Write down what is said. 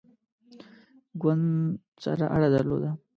ګوند سره اړه درلوده.